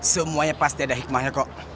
semuanya pasti ada hikmahnya kok